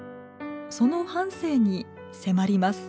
その半生に迫ります。